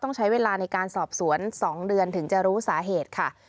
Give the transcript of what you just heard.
ต้องใช้เวลาในการสอบสวน๒เดือนถึงจะรู้สาเหตุค่ะ